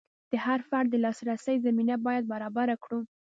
د هر فرد د لاسرسي زمینه باید برابره کړو.